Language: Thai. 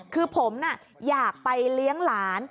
คือผมอยากไปเลี้ยงหลาน